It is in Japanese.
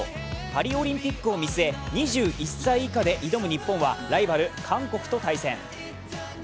パリオリンピックを見据え２１歳以下で挑む日本は、ライバル・韓国と対戦。